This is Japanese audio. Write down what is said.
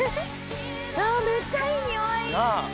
あめっちゃいい匂い！